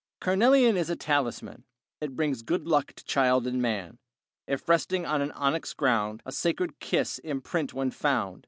Carnelian is a talisman, It brings good luck to child and man; If resting on an onyx ground, A sacred kiss imprint when found.